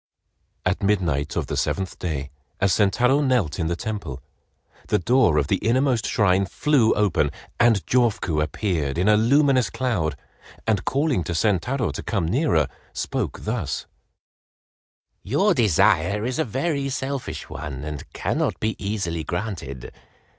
At midnight of the seventh day, as Sentaro knelt in the temple, the door of the innermost shrine flew open, and Jofuku appeared in a luminous cloud, and calling to Sentaro to come nearer, spoke thus: "Your desire is a very selfish one and cannot be easily granted.